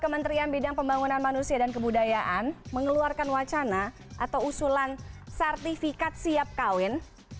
kementerian bidang pembangunan manusia dan kebudayaan mengeluarkan wacana atau usulan sertifikat siap kawin